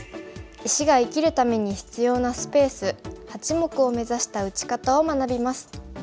石が生きるために必要なスペース８目を目指した打ち方を学びます。